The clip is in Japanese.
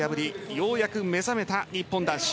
ようやく目覚めた日本男子。